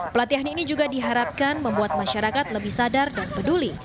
pelatihan ini juga diharapkan membuat masyarakat lebih sadar dan peduli